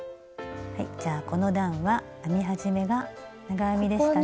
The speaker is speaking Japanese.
この段は編み始めが長編みでしたね。